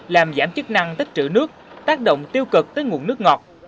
làm giảm chức năng tích trữ nước tác động tiêu cực tới nguồn nước ngọt